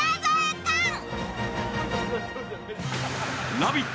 「ラヴィット！」